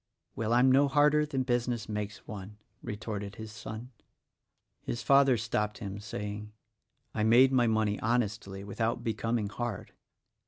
"Well, I'm no harder than business makes one," retorted his son. His father stopped him, saying, "I made my money honestly, without becoming hard."